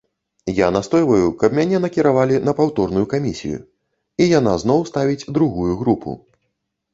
Я настойваю, каб мяне накіравалі на паўторную камісію, і яна зноў ставіць другую групу.